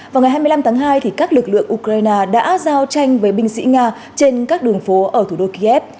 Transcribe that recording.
vào ngày hai mươi năm tháng hai các lực lượng ukraine đã giao tranh với binh sĩ nga trên các đường phố ở thủ đô kiev